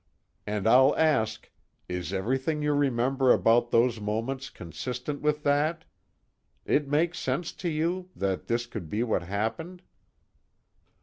And I'll ask: is everything you remember about those moments consistent with that? It makes sense to you, that this could be what happened?"